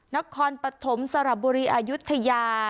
นครปฐมสระบุรีอายุทยา